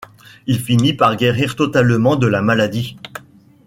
Il finit par guérir totalement de la maladie.